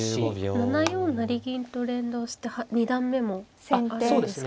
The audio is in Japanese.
７四成銀と連動して二段目もあるんですか。